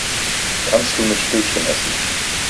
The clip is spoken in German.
Kannst du mit Stäbchen essen?